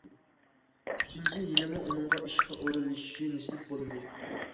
ئۈچىنچى يىلىمۇ ئۇنىڭغا ئىشقا ئورۇنلىشىش نېسىپ بولمىدى.